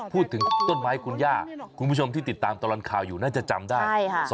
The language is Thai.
พูดถึงต้นไม้คุณย่าคุณผู้ชมที่ติดตามตลอดข่าวอยู่น่าจะจำได้